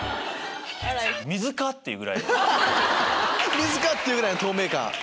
水か！っていうぐらいの透明感。